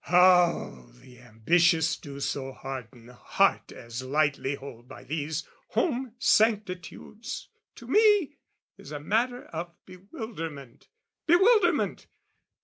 How the ambitious do so harden heart As lightly hold by these home sanctitudes, To me is matter of bewilderment Bewilderment!